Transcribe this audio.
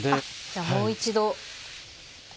じゃあもう一度。